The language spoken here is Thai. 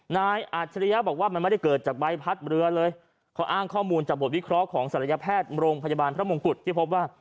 อาจริยะบอกว่ามันไม่ได้เกิดจากใบพัดเรือเลยเขาอ้างข้อมูลจากบทวิเคราะห์ของศัลยแพทย์โรงพยาบาลพระมงกุฎที่พบว่า